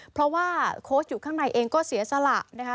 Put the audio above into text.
เพราะว่าโค้ชอยู่ข้างในเองก็เสียสละนะคะ